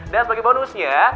dan sebagai bonusnya